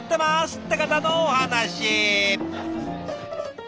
って方のお話。